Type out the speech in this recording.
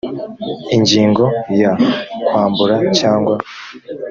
ingingo ya kwambura cyangwa